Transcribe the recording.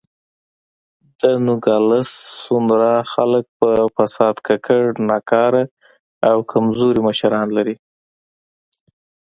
د نوګالس سونورا خلک پر فساد ککړ، ناکاره او کمزوري مشران لري.